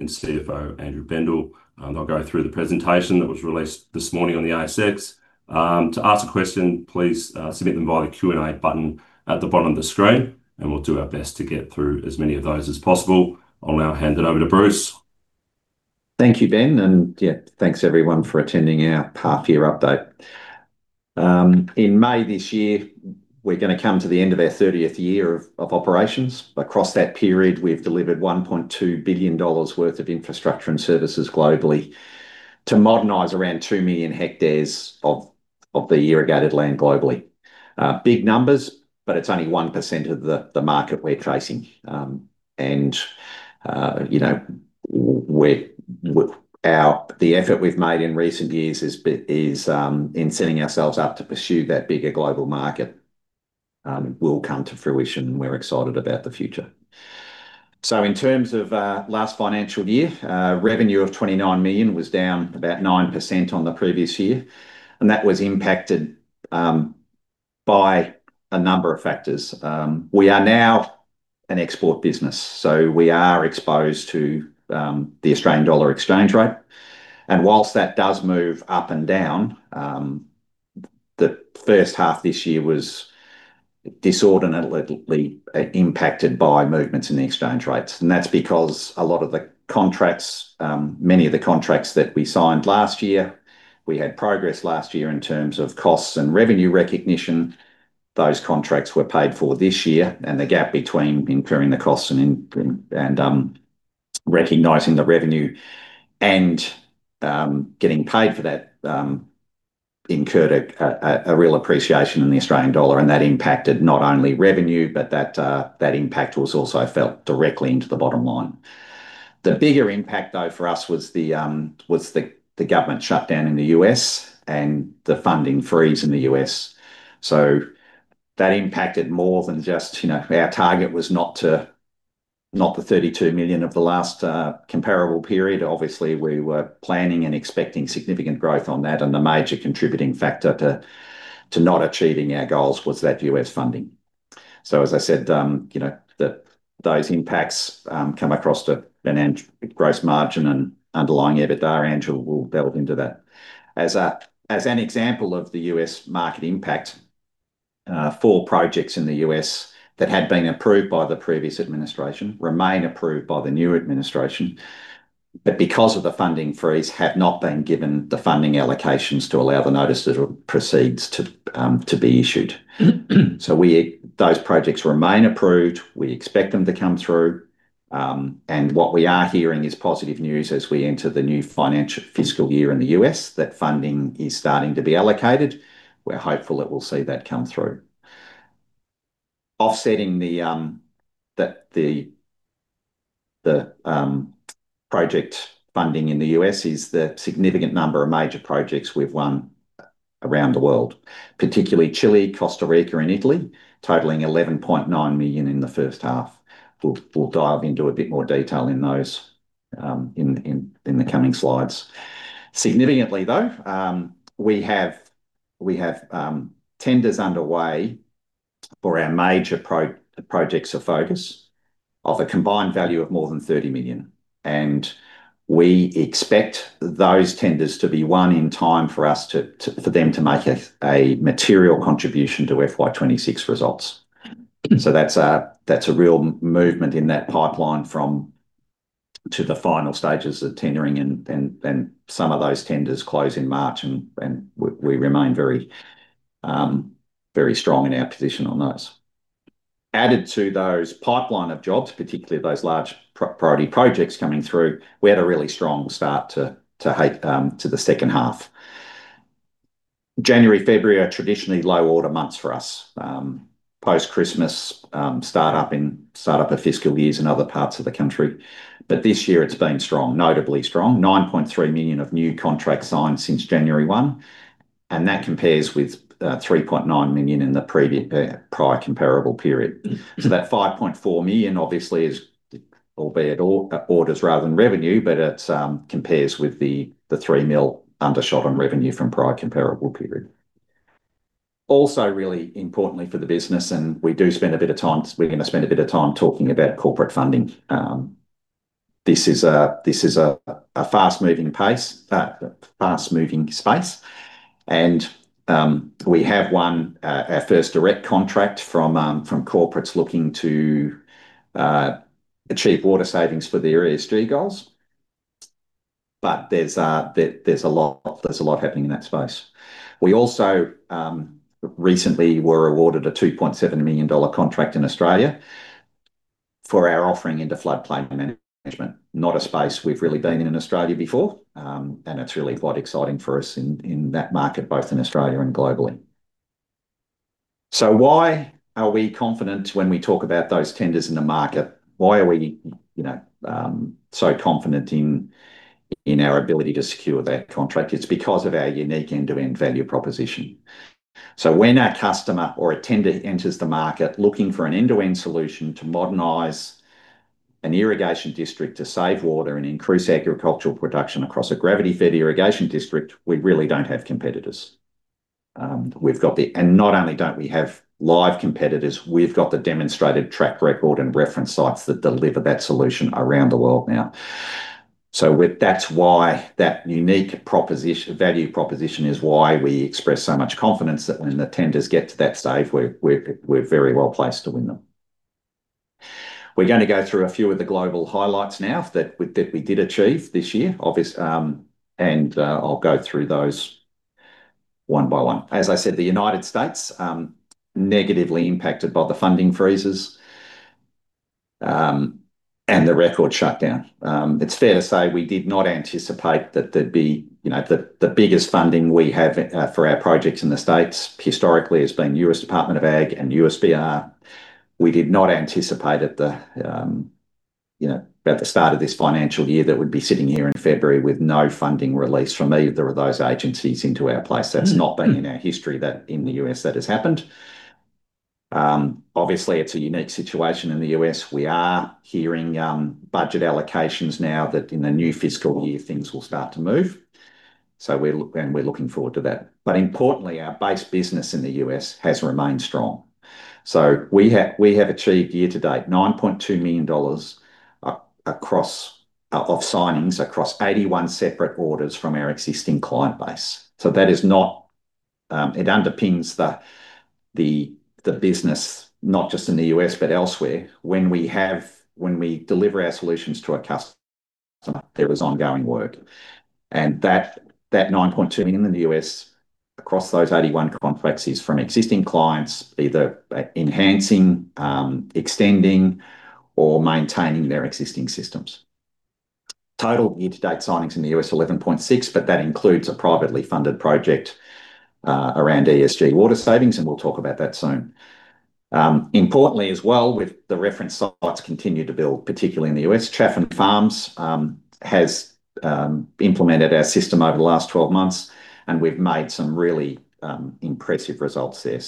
And CFO, Andrew Bendall. They'll go through the presentation that was released this morning on the ASX. To ask a question, please, submit them via the Q&A button at the bottom of the screen, and we'll do our best to get through as many of those as possible. I'll now hand it over to Bruce. Thank you, Ben. Yeah, thanks everyone for attending our half year update. In May this year, we're going to come to the end of our 30th year of operations. Across that period, we've delivered 1.2 billion dollars worth of infrastructure and services globally to modernize around 2 million hectares of the irrigated land globally. Big numbers, but it's only 1% of the market we're chasing. You know, the effort we've made in recent years is in setting ourselves up to pursue that bigger global market will come to fruition, and we're excited about the future. In terms of last financial year, revenue of 29 million was down about 9% on the previous year. That was impacted by a number of factors. We are now an export business, so we are exposed to the Australian dollar exchange rate. Whilst that does move up and down, the H1 this year was inordinately impacted by movements in the exchange rates. That's because a lot of the contracts, many of the contracts that we signed last year, we had progress last year in terms of costs and revenue recognition. Those contracts were paid for this year. The gap between incurring the costs and recognizing the revenue, and getting paid for that, incurred a real appreciation in the Australian dollar. That impacted not only revenue, but that impact was also felt directly into the bottom line. The bigger impact, though, for us was the government shutdown in the U.S. and the funding freeze in the U.S. That impacted more than just, you know, our target was not the 32 million of the last comparable period. Obviously, we were planning and expecting significant growth on that, and the major contributing factor to not achieving our goals was that U.S. funding. As I said, you know, the, those impacts come across to a gross margin and underlying EBITDA, and we'll delve into that. As an example of the U.S. market impact, four projects in the U.S. that had been approved by the previous administration remain approved by the new administration. Because of the funding freeze, have not been given the funding allocations to allow the notice of proceeds to be issued. Those projects remain approved. We expect them to come through. What we are hearing is positive news as we enter the new financial fiscal year in the U.S., that funding is starting to be allocated. We're hopeful that we'll see that come through. Offsetting the project funding in the U.S. is the significant number of major projects we've won around the world, particularly Chile, Costa Rica, and Italy, totalling 11.9 million in the H1. We'll dive into a bit more detail in those in the coming slides. Significantly, though, tenders underway for our major projects of focus of a combined value of more than 30 million. We expect those tenders to be won in time for us to make a material contribution to FY 2026 results. That's a real movement in that pipeline to the final stages of tendering. Some of those tenders close in March, and we remain very strong in our position on those. Added to those pipeline of jobs, particularly those large priority projects coming through, we had a really strong start to the H2. January, February are traditionally low order months for us. post-Christmas, start up of fiscal years in other parts of the country. This year it's been strong, notably strong. 9.3 million of new contracts signed since January 1, that compares with 3.9 million in the prior comparable period. That 5.4 million obviously is, albeit orders rather than revenue, but it compares with the 3 million undershot on revenue from prior comparable period. Really importantly for the business, we do spend a bit of time, we're going to spend a bit of time talking about corporate funding. This is a fast moving pace, fast moving space, and we have won our first direct contract from corporates looking to achieve water savings for their ESG goals. There's a lot happening in that space. We also recently were awarded a 2.7 million dollar contract in Australia for our offering into floodplain management. Not a space we've really been in in Australia before, it's really quite exciting for us in that market, both in Australia and globally. Why are we confident when we talk about those tenders in the market? Why are we, you know, so confident in our ability to secure that contract? It's because of our unique end-to-end value proposition. When a customer or a tender enters the market looking for an end-to-end solution to modernize an irrigation district, to save water and increase agricultural production across a gravity-fed irrigation district, we really don't have competitors. Not only don't we have live competitors, we've got the demonstrated track record and reference sites that deliver that solution around the world now. We're, that's why, that unique proposition, value proposition is why we express so much confidence that when the tenders get to that stage, we're very well placed to win them. We're gonna go through a few of the global highlights now that we did achieve this year, obvious. I'll go through those one by one. As I said, the United States, negatively impacted by the funding freezes, and the record shutdown. It's fair to say we did not anticipate that there'd be, you know, the biggest funding we have for our projects in the States historically has been U.S. Department of Ag and USBR. We did not anticipate at the, you know, at the start of this financial year, that we'd be sitting here in February with no funding released from either of those agencies into our place. That's not been in our history that in the U.S. that has happened. Obviously, it's a unique situation in the U.S. We are hearing budget allocations now that in the new fiscal year, things will start to move. We're looking forward to that. Importantly, our base business in the U.S. has remained strong. We have achieved year to date, $9.2 million across of signings, across 81 separate orders from our existing client base. That is not, it underpins the business, not just in the U.S., but elsewhere. When we deliver our solutions to a customer, there is ongoing work. That 9.2 in the U.S., across those 81 contracts, is from existing clients, either enhancing, extending or maintaining their existing systems. Total year-to-date signings in the U.S., 11.6, that includes a privately funded project around ESG water savings, we'll talk about that soon. Importantly, as well, with the reference sites continue to build, particularly in the U.S. Chaffin Farms has implemented our system over the last 12 months, we've made some really impressive results there.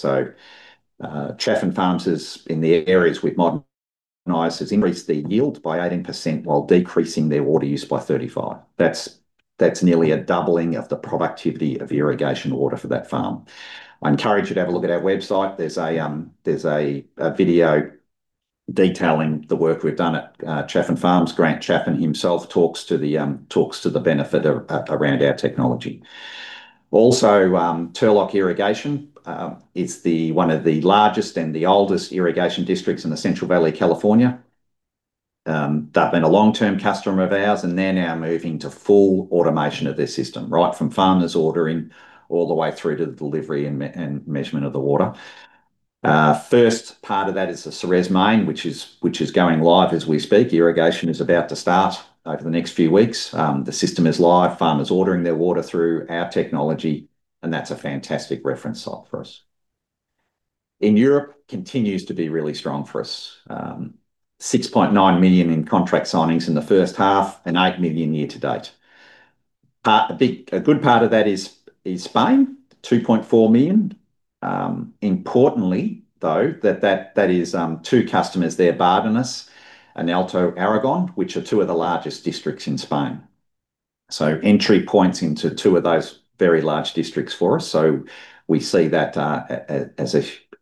Chaffin Farms is in the areas we've modernized, has increased their yield by 18% while decreasing their water use by 35%. That's nearly a doubling of the productivity of irrigation water for that farm. I encourage you to have a look at our website. There's a video detailing the work we've done at Chaffin Farms. Grant Chaffin himself talks to the benefit around our technology. Also, Turlock Irrigation, it's the one of the largest and the oldest irrigation districts in the Central Valley, California. They've been a long-term customer of ours, and they're now moving to full automation of their system, right from farmers ordering, all the way through to the delivery and measurement of the water. First part of that is the Ceres Main, which is going live as we speak. Irrigation is about to start over the next few weeks. The system is live, farmers ordering their water through our technology, and that's a fantastic reference site for us. In Europe, continues to be really strong for us. 6.9 million in contract signings in the H1 and 8 million year to date. A good part of that is Spain, 2.4 million. Importantly, though, that is two customers there, Bardenas and Alto Aragón, which are two of the largest districts in Spain. Entry points into two of those very large districts for us. We see that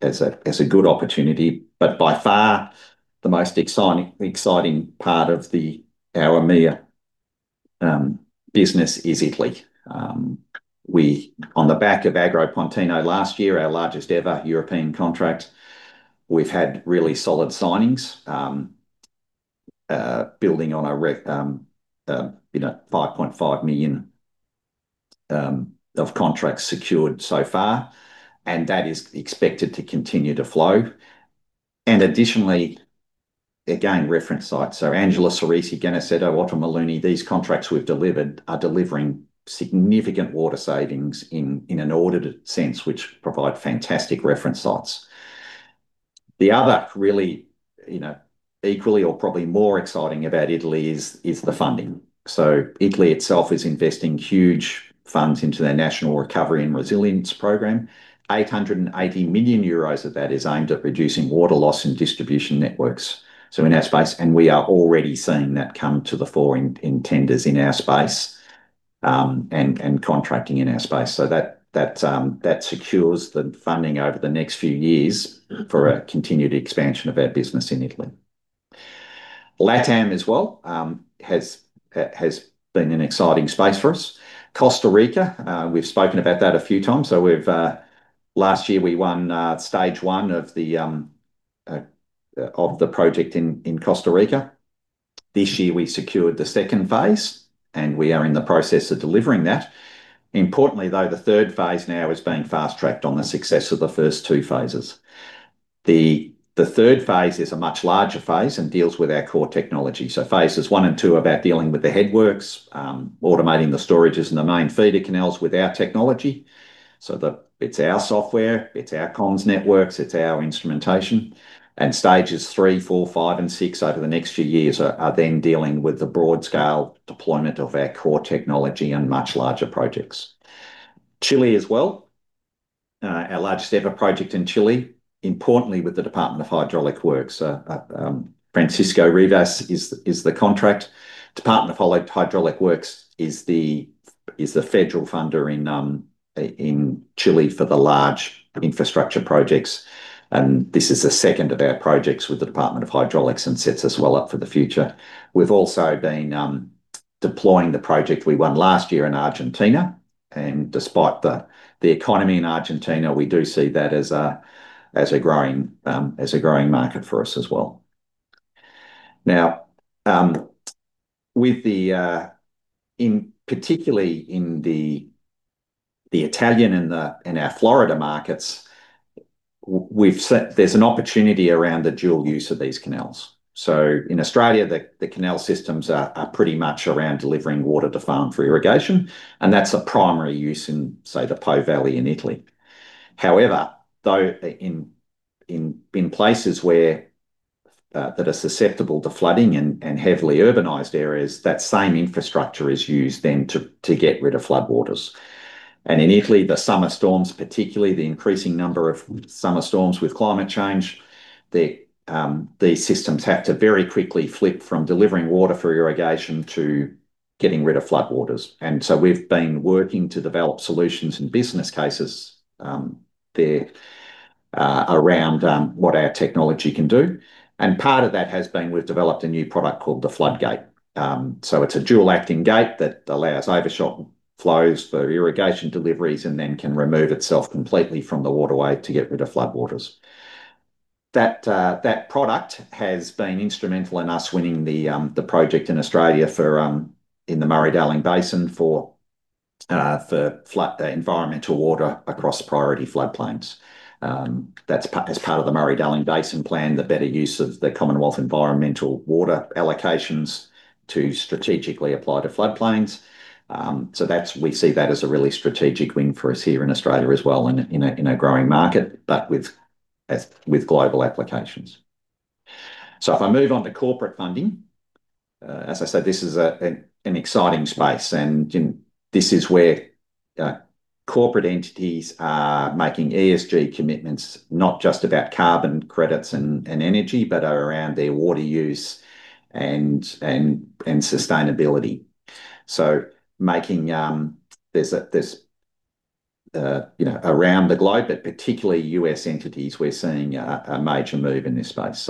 as a good opportunity, but by far, the most exciting part of our EMEA business is Italy. We, on the back of Agro Pontino last year, our largest ever European contract, we've had really solid signings, building on 5.5 million of contracts secured so far, that is expected to continue to flow. Additionally, again, reference sites. Angeli-Cerese, Genaiceto, Ottomila, these contracts we've delivered are delivering significant water savings in an audited sense, which provide fantastic reference sites. The other really, you know, equally or probably more exciting about Italy is the funding. Italy itself is investing huge funds into their National Recovery and Resilience Plan. 880 million euros of that is aimed at reducing water loss in distribution networks. In our space, and we are already seeing that come to the fore in tenders in our space, and contracting in our space. That, that secures the funding over the next few years for a continued expansion of our business in Italy. LATAM as well, has been an exciting space for us. Costa Rica, we've spoken about that a few times, we've last year, we won stage one of the project in Costa Rica. This year, we secured the second phase, and we are in the process of delivering that. Importantly, though, the third phase now is being fast-tracked on the success of the first two phases. The third phase is a much larger phase and deals with our core technology. Phases one and two are about dealing with the headworks, automating the storages and the main feeder canals with our technology. It's our software, it's our comms networks, it's our instrumentation, stages three, four, five, and six over the next few years are then dealing with the broad-scale deployment of our core technology on much larger projects. Chile as well, our largest ever project in Chile importantly, with the Department of Hydraulic Works, Francisco Rivas is the contract. Department of Hydraulic Works is the federal funder in Chile for the large infrastructure projects. This is the second of our projects with the Department of Hydraulics and sets us well up for the future. We've also been deploying the project we won last year in Argentina. Despite the economy in Argentina, we do see that as a, as a growing, as a growing market for us as well. With the in particularly in the Italian and our Florida markets, we've set there's an opportunity around the dual use of these canals. In Australia, the canal systems are pretty much around delivering water to farm for irrigation, and that's a primary use in, say, the Po Valley in Italy. Though, in places where that are susceptible to flooding and heavily urbanized areas, that same infrastructure is used then to get rid of floodwaters. In Italy, the summer storms, particularly the increasing number of summer storms with climate change, these systems have to very quickly flip from delivering water for irrigation to getting rid of floodwaters. We've been working to develop solutions and business cases there around what our technology can do, and part of that has been we've developed a new product called the Floodgate. It's a dual acting gate that allows overshot flows for irrigation deliveries and then can remove itself completely from the waterway to get rid of floodwaters. That product has been instrumental in us winning the project in Australia for in the Murray-Darling Basin for for flat, the environmental water across priority floodplains. That's as part of the Murray–Darling Basin Plan, the better use of the Commonwealth environmental water allocations to strategically apply to floodplains. We see that as a really strategic win for us here in Australia as well, in a growing market, but with global applications. If I move on to corporate funding, as I said, this is an exciting space, and this is where corporate entities are making ESG commitments, not just about carbon credits and energy, but are around their water use and sustainability. Making, there's, you know, around the globe, but particularly U.S. entities, we're seeing a major move in this space.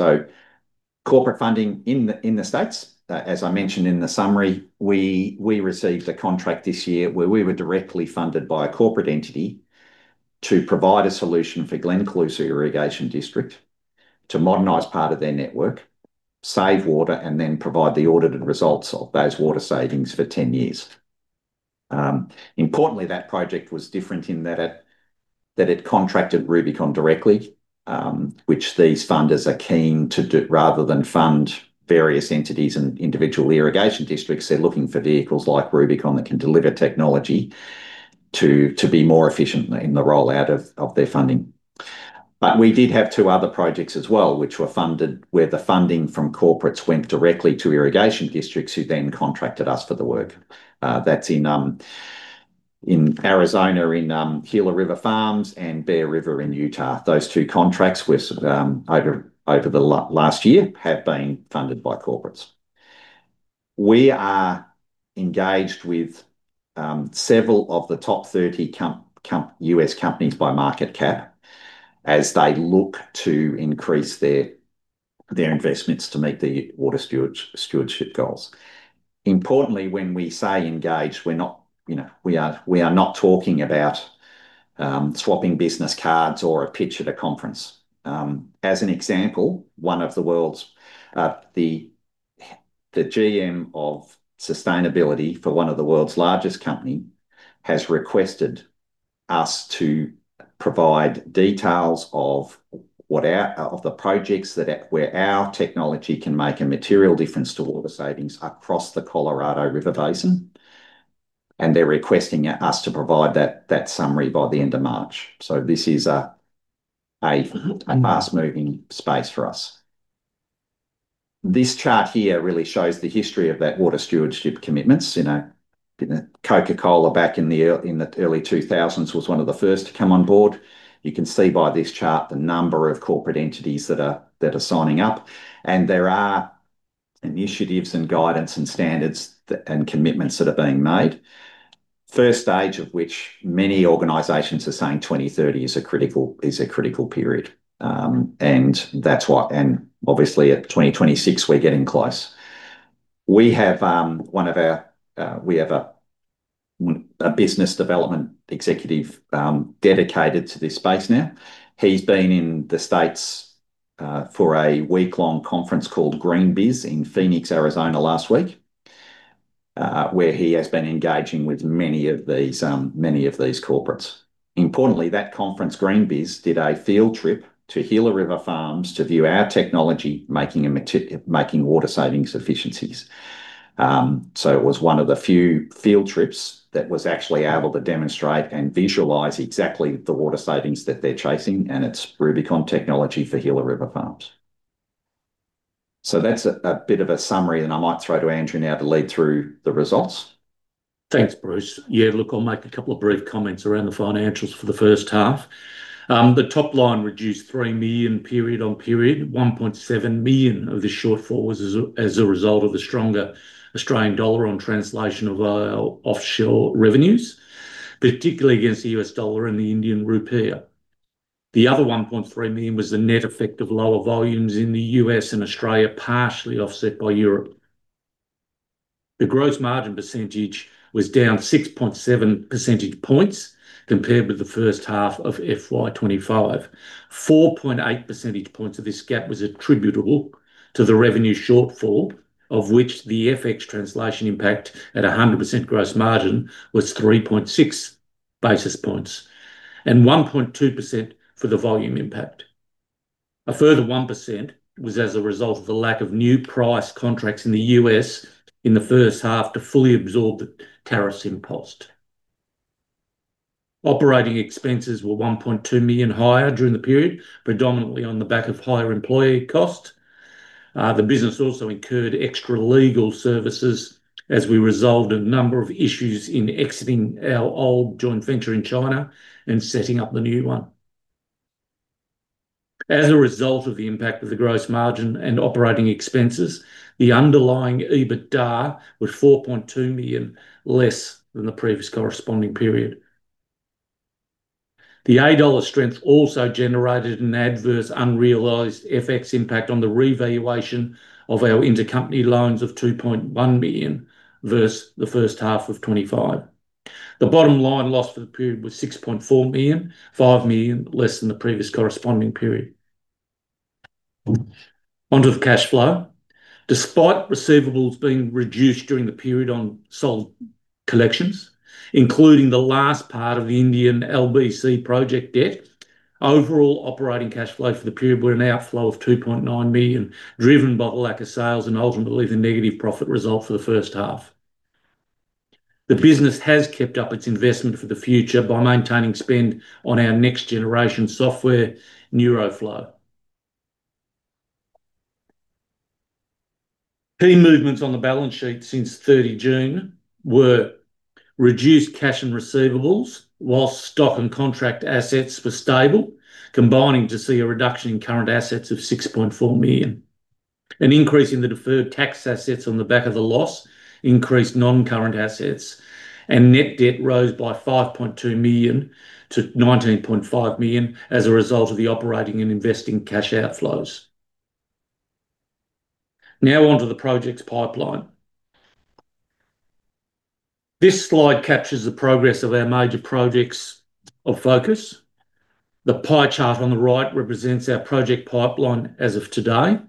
Corporate funding in the States, as I mentioned in the summary, we received a contract this year where we were directly funded by a corporate entity to provide a solution for Glenn-Colusa Irrigation District to modernize part of their network, save water, and then provide the audited results of those water savings for 10 years. Importantly, that project was different in that it contracted Rubicon directly, which these funders are keen to do, rather than fund various entities and individual irrigation districts. They're looking for vehicles like Rubicon that can deliver technology to be more efficient in the rollout of their funding. We did have two other projects as well, which were funded, where the funding from corporates went directly to irrigation districts, who then contracted us for the work. That's in Arizona, in Gila River Farms and Bear River in Utah. Those two contracts were, over the last year, have been funded by corporates. We are engaged with several of the top 30 companies U.S. companies by market cap as they look to increase their investments to meet the water stewardship goals. Importantly, when we say engaged, we're not, you know, we are not talking about swapping business cards or a pitch at a conference. As an example, one of the world's, the GM of sustainability for one of the world's largest company has requested us to provide details of what our, of the projects where our technology can make a material difference to water savings across the Colorado River Basin, and they're requesting us to provide that summary by the end of March. This is a fast-moving space for us. This chart here really shows the history of that water stewardship commitments. You know, Coca-Cola back in the early 2000s was one of the first to come on board. You can see by this chart the number of corporate entities that are signing up, and there are initiatives and guidance and standards and commitments that are being made. First stage of which many organizations are saying 2030 is a critical period. At 2026, we're getting close. We have a business development executive dedicated to this space now. He's been in the States for a week-long conference called GreenBiz in Phoenix, Arizona, last week, where he has been engaging with many of these corporates. Importantly, that conference, GreenBiz, did a field trip to Gila River Farms to view our technology, making water savings efficiencies. It was one of the few field trips that was actually able to demonstrate and visualize exactly the water savings that they're chasing, and it's Rubicon technology for Gila River Farms. That's a bit of a summary, and I might throw to Andrew now to lead through the results. Thanks, Bruce. Look, I'll make a couple of brief comments around the financials for the H1. The top line reduced 3 million period on period. 1.7 million of the shortfall was as a result of the stronger Australian dollar on translation of our offshore revenues, particularly against the U.S. dollar and the Indian rupee. The other 1.3 million was the net effect of lower volumes in the U.S. and Australia, partially offset by Europe. The gross margin percentage was down 6.7 percentage points compared with the H1 of FY 2025. 4.8 percentage points of this gap was attributable to the revenue shortfall, of which the FX translation impact at a 100% gross margin was 3.6 basis points, and 1.2% for the volume impact. A further 1% was as a result of the lack of new price contracts in the U.S. in the H1 to fully absorb the tariffs imposed. Operating expenses were 1.2 million higher during the period, predominantly on the back of higher employee cost. The business also incurred extra legal services as we resolved a number of issues in exiting our old joint venture in China and setting up the new one. As a result of the impact of the gross margin and operating expenses, the underlying EBITDA was 4.2 million less than the previous corresponding period. The AUD strength also generated an adverse unrealized FX impact on the revaluation of our intercompany loans of 2.1 million versus the H1 of 2025. The bottom line loss for the period was 6.4 million, 5 million less than the previous corresponding period. Onto the cash flow. Despite receivables being reduced during the period on solid collections, including the last part of the Indian NLBC project debt, overall operating cash flow for the period were an outflow of 2.9 million, driven by the lack of sales and ultimately the negative profit result for the H1. The business has kept up its investment for the future by maintaining spend on our next generation software, NeuroFlo. Key movements on the balance sheet since 30 June were reduced cash and receivables, while stock and contract assets were stable, combining to see a reduction in current assets of 6.4 million. An increase in the deferred tax assets on the back of the loss increased non-current assets, and net debt rose by 5.2 million to 19.5 million as a result of the operating and investing cash outflows. On to the projects pipeline. This slide captures the progress of our major projects of focus. The pie chart on the right represents our project pipeline as of today.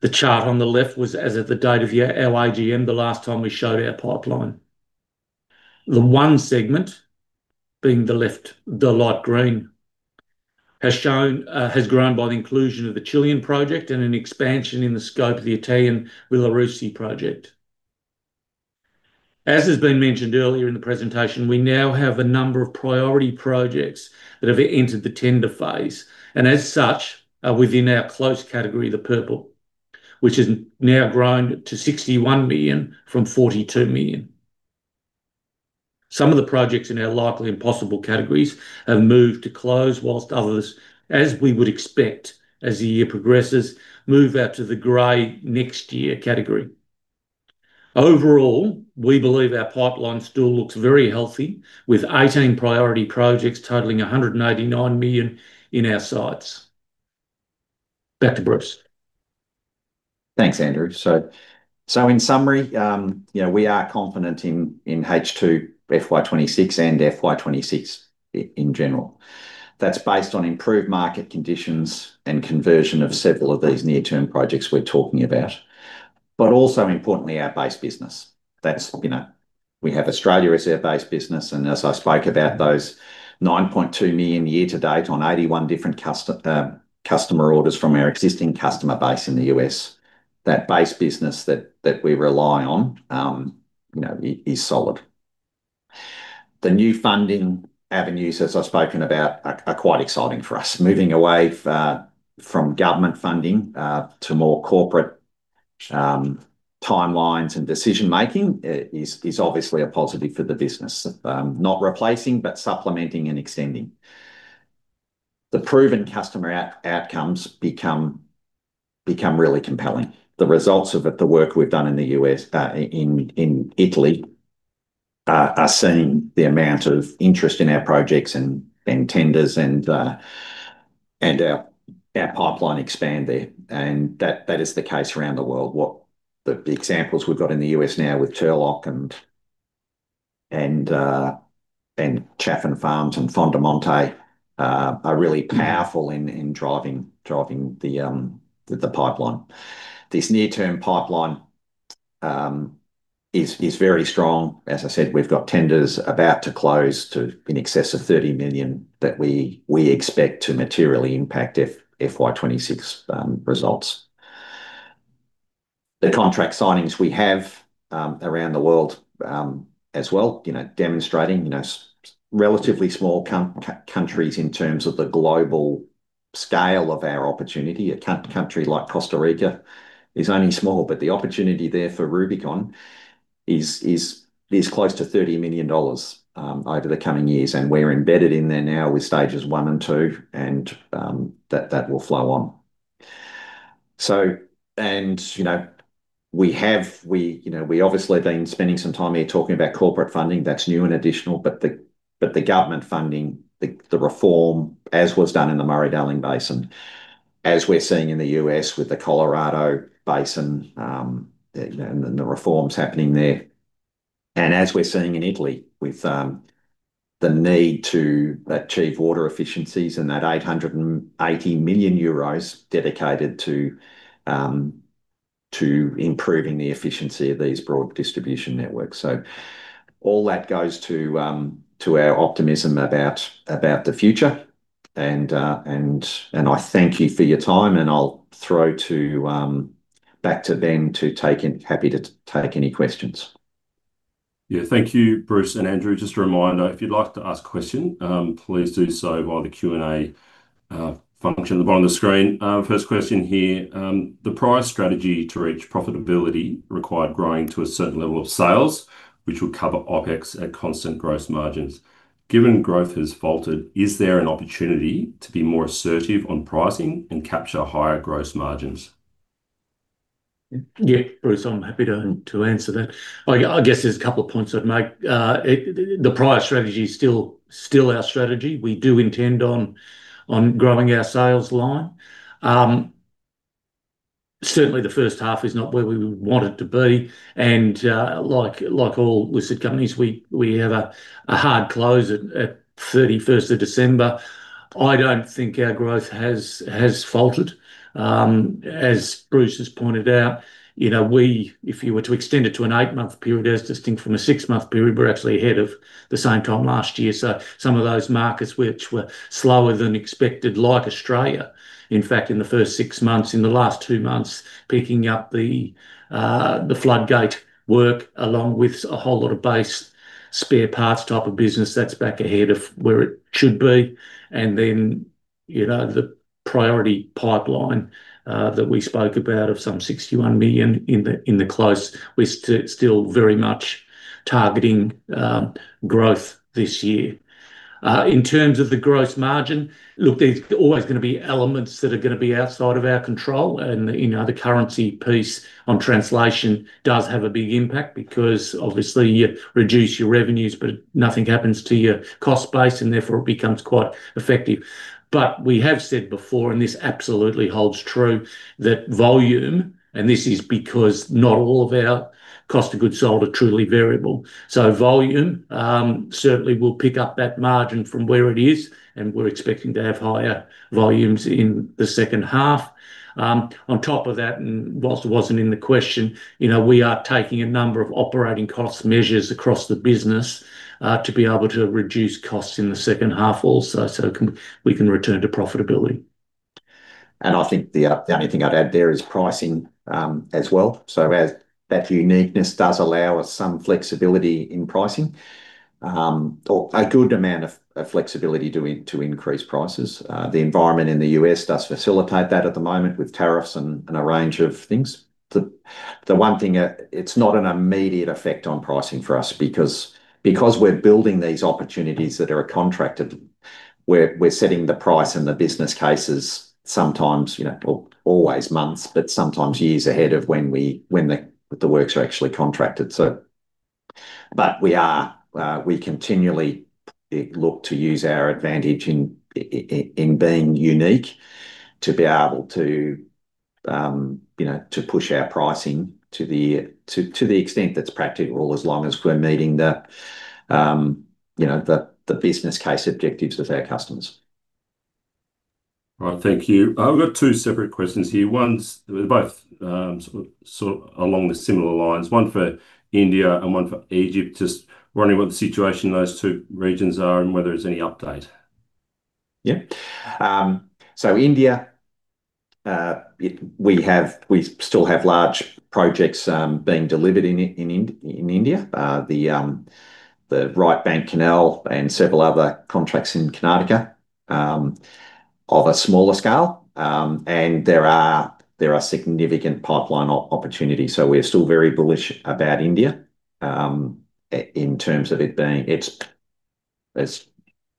The chart on the left was as of the date of our AGM, the last time we showed our pipeline. The one segment, being the left, the light green, has shown has grown by the inclusion of the Chilean project and an expansion in the scope of the Italian Villarosi project. As has been mentioned earlier in the presentation, we now have a number of priority projects that have entered the tender phase, and as such, are within our close category, the purple, which has now grown to 61 million from 42 million. Some of the projects in our likely and possible categories have moved to close, whilst others, as we would expect, as the year progresses, move out to the gray next year category. Overall, we believe our pipeline still looks very healthy, with 18 priority projects totaling 189 million in our sights. Back to Bruce. Thanks, Andrew. In summary, you know, we are confident in H2 FY 2026 and FY 2026 in general. That's based on improved market conditions and conversion of several of these near-term projects we're talking about, but also importantly, our base business. That's, you know, we have Australia as our base business, and as I spoke about those 9.2 million year to date on 81 different customer orders from our existing customer base in the U.S. That base business that we rely on, you know, is solid. The new funding avenues, as I've spoken about, are quite exciting for us. Moving away from government funding to more corporate timelines and decision making, is obviously a positive for the business. Not replacing, but supplementing and extending. The proven customer outcomes become really compelling. The results of the work we've done in the U.S., in Italy, are seeing the amount of interest in our projects and tenders and our pipeline expand there. That is the case around the world. What the examples we've got in the U.S. now with Turlock and Chaffin Farms and Fondomonte are really powerful in driving the pipeline. This near-term pipeline is very strong. As I said, we've got tenders about to close to in excess of 30 million that we expect to materially impact FY 2026 results. The contract signings we have, around the world, as well, you know, demonstrating, you know, relatively small countries in terms of the global scale of our opportunity. A country like Costa Rica is only small, but the opportunity there for Rubicon is close to 30 million dollars, over the coming years, and we're embedded in there now with stages one and two, and, that will flow on. You know, we obviously have been spending some time here talking about corporate funding that's new and additional, but the government funding, the reform, as was done in the Murray–Darling Basin, as we're seeing in the U.S. with the Colorado Basin, and the reforms happening there, and as we're seeing in Italy with the need to achieve water efficiencies and that 880 million euros dedicated to improving the efficiency of these broad distribution networks. All that goes to our optimism about the future. I thank you for your time, and I'll throw back to Ben to take any questions. Yeah. Thank you, Bruce and Andrew. Just a reminder, if you'd like to ask a question, please do so via the Q&A function at the bottom of the screen. First question here: The prior strategy to reach profitability required growing to a certain level of sales, which would cover OpEx at constant gross margins. Given growth has faltered, is there an opportunity to be more assertive on pricing and capture higher gross margins? Yeah, Bruce, I'm happy to answer that. I guess there's a couple of points I'd make. The prior strategy is still our strategy. We do intend on growing our sales line. Certainly the H1 is not where we would want it to be. Like all listed companies, we have a hard close at 31st of December. I don't think our growth has faltered. As Bruce has pointed out, you know, we, if you were to extend it to an 8-month period, as distinct from a 6-month period, we're actually ahead of the same time last year. Some of those markets which were slower than expected, like Australia, in fact, in the first six months, in the last two months, picking up the Floodgate work, along with a whole lot of base spare parts type of business, that's back ahead of where it should be. You know, the priority pipeline that we spoke about, of some 61 million in the close, we're still very much targeting growth this year. In terms of the gross margin, look, there's always going to be elements that are going to be outside of our control, and, you know, the currency piece on translation does have a big impact, because obviously you reduce your revenues, but nothing happens to your cost base, and therefore it becomes quite effective. We have said before, and this absolutely holds true, that volume, and this is because not all of our cost of goods sold are truly variable. Volume certainly will pick up that margin from where it is, and we're expecting to have higher volumes in the H2. On top of that, and whilst it wasn't in the question, you know, we are taking a number of operating cost measures across the business to be able to reduce costs in the H2 also, so we can return to profitability. I think the only thing I'd add there is pricing as well. As that uniqueness does allow us some flexibility in pricing, or a good amount of flexibility to increase prices. The environment in the U.S. does facilitate that at the moment with tariffs and a range of things. The one thing, it's not an immediate effect on pricing for us, because we're building these opportunities that are contracted, we're setting the price and the business cases sometimes, you know, or always months, but sometimes years ahead of when the works are actually contracted. We are continually look to use our advantage in being unique, to be able to, you know, to push our pricing to the extent that's practical, as long as we're meeting the, you know, the business case objectives with our customers. Right. Thank you. I've got two separate questions here. One's, they're both sort of along the similar lines, one for India and one for Egypt. Just wondering what the situation in those two regions are and whether there's any update Yeah. India, we have, we still have large projects being delivered in India. The Right Bank Canal and several other contracts in Karnataka of a smaller scale. There are significant pipeline opportunities, so we're still very bullish about India, as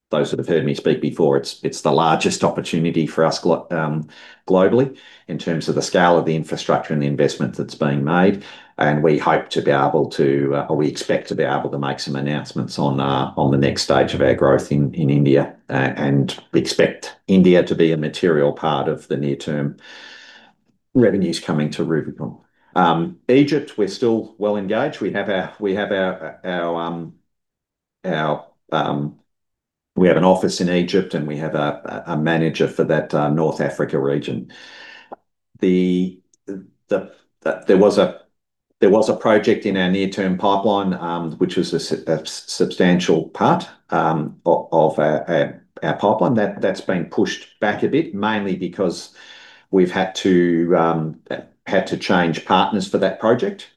those that have heard me speak before, it's the largest opportunity for us globally, in terms of the scale of the infrastructure and the investment that's being made, and we hope to be able to or we expect to be able to make some announcements on the next stage of our growth in India, and we expect India to be a material part of the near-term revenues coming to Rubicon. Egypt, we're still well engaged. We have our office in Egypt, and we have a manager for that North Africa region. There was a project in our near-term pipeline, which was a substantial part of our pipeline. That's been pushed back a bit, mainly because we've had to change partners for that project,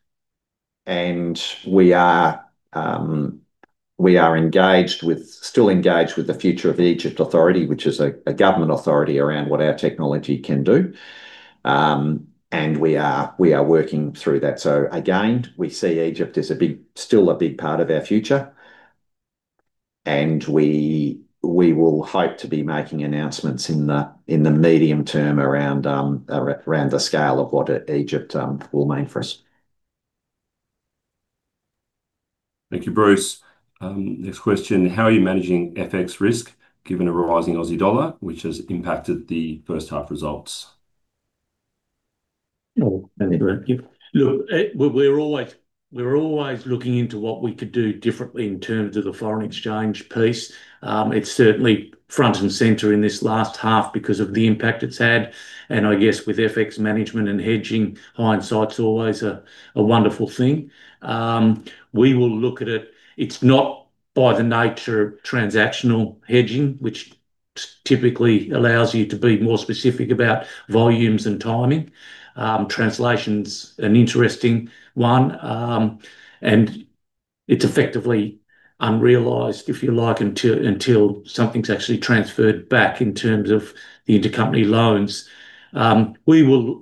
and we are still engaged with the future of the Egypt Authority, which is a government authority around what our technology can do. We are working through that. Again, we see Egypt as a big, still a big part of our future, and we will hope to be making announcements in the medium term around the scale of what Egypt will mean for us. Thank you, Bruce. Next question: How are you managing FX risk, given a rising Aussie dollar, which has impacted the H1 results? Thank you. Look, we're always looking into what we could do differently in terms of the foreign exchange piece. It's certainly front and center in this last half because of the impact it's had. I guess with FX management and hedging, hindsight's always a wonderful thing. We will look at it. It's not by the nature of transactional hedging, which typically allows you to be more specific about volumes and timing. Translation's an interesting one. It's effectively unrealized, if you like, until something's actually transferred back in terms of the intercompany loans. We will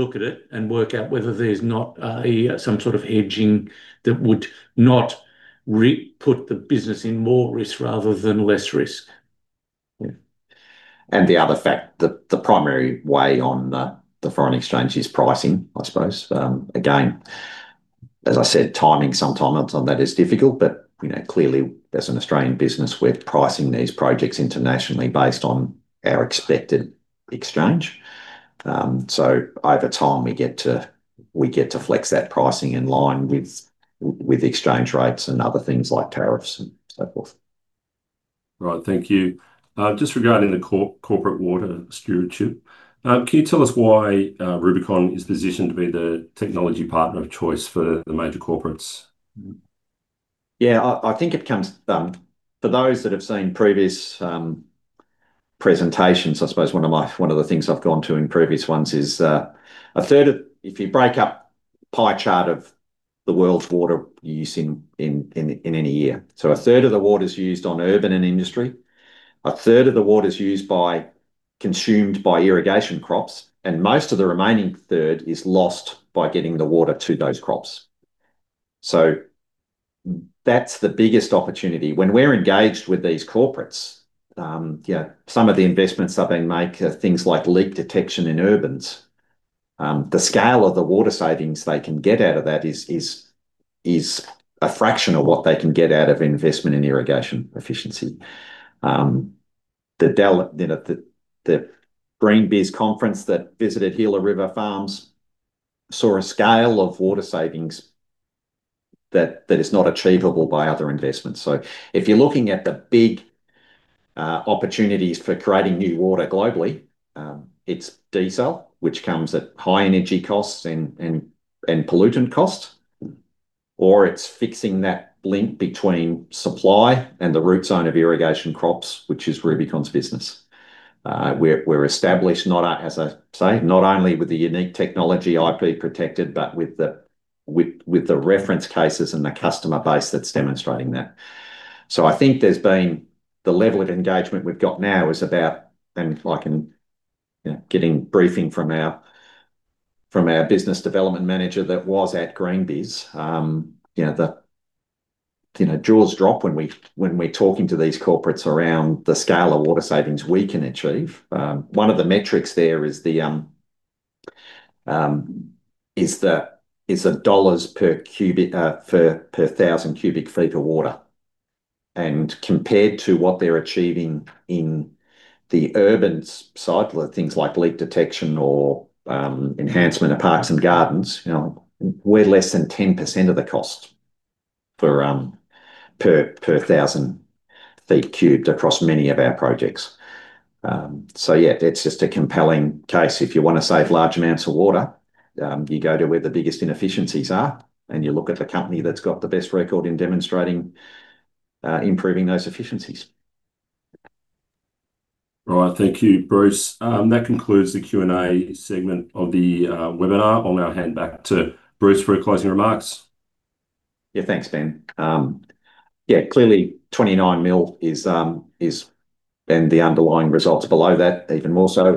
look at it and work out whether there's not some sort of hedging that would not put the business in more risk rather than less risk. Yeah. The other fact that the primary way on the foreign exchange is pricing, I suppose. Again, as I said, timing sometimes on that is difficult, but, you know, clearly, as an Australian business, we're pricing these projects internationally based on our expected exchange. Over time, we get to flex that pricing in line with exchange rates and other things like tariffs and so forth. Right. Thank you. Just regarding the corporate water stewardship, can you tell us why Rubicon is positioned to be the technology partner of choice for the major corporates? Yeah, I think it comes, for those that have seen previous presentations, I suppose one of my, one of the things I've gone to in previous ones is a third of. If you break up pie chart of the world's water use in a year. A third of the water's used on urban and industry, a third of the water's consumed by irrigation crops, and most of the remaining third is lost by getting the water to those crops. That's the biggest opportunity. When we're engaged with these corporates, yeah, some of the investments that they make are things like leak detection in urbans. The scale of the water savings they can get out of that is a fraction of what they can get out of investment in irrigation efficiency. The GreenBiz conference that visited Gila River Farms saw a scale of water savings that is not achievable by other investments. If you're looking at the big opportunities for creating new water globally, it's diesel, which comes at high energy costs and pollutant cost, or it's fixing that link between supply and the root zone of irrigation crops, which is Rubicon's business. We're established not, as I say, not only with the unique technology IP protected, but with the reference cases and the customer base that's demonstrating that. I think there's been, the level of engagement we've got now is about, and like in, you know, getting briefing from our, from our business development manager that was at GreenBiz, you know, the, you know, jaws drop when we're talking to these corporates around the scale of water savings we can achieve. One of the metrics there is the AUD per cubic per 1,000 cubic feet of water. Compared to what they're achieving in the urban cycle of things like leak detection or enhancement of parks and gardens, you know, we're less than 10% of the cost per 1,000 feet cubed across many of our projects. Yeah, that's just a compelling case. If you want to save large amounts of water, you go to where the biggest inefficiencies are, and you look at the company that's got the best record in demonstrating, improving those efficiencies. Right. Thank you, Bruce. That concludes the Q&A segment of the webinar. I'll now hand back to Bruce for closing remarks. Thanks, Ben. Clearly, 29 million is, and the underlying results below that, even more so,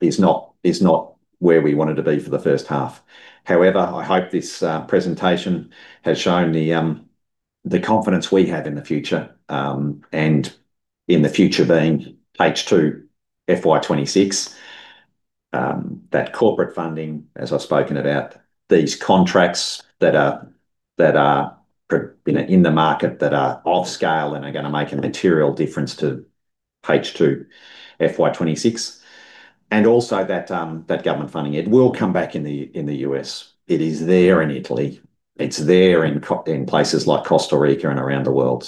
is not where we wanted to be for the H1. However, I hope this presentation has shown the confidence we have in the future, and in the future being H2 FY 2026. That corporate funding, as I've spoken about, these contracts that are, you know, in the market, that are off scale and are gonna make a material difference to H2 FY 2026, and also that government funding. It will come back in the U.S. It is there in Italy. It's there in places like Costa Rica and around the world.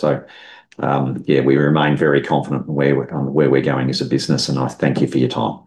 Yeah, we remain very confident in where we're going as a business, and I thank you for your time.